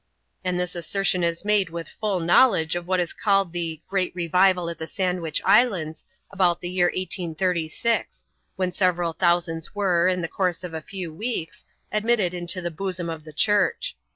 And this assertion is made with full know ledge of what is called the '^ Great Kevival at the Sandwich Idands," about the year 1836; when several thousands were, in the course of a few weeks, admitted into the bosom of the Church.